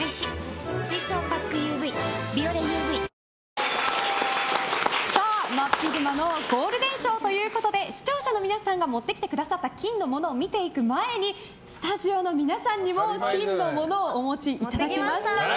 水層パックＵＶ「ビオレＵＶ」真っ昼間のゴールデンショーということで視聴者の皆さんが持ってきてくださった金のものを見ていく前にスタジオの皆さんにも金のものをお持ちいただきました。